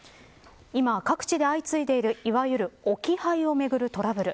今各地で相次いでいるいわゆる置き配をめぐるトラブル。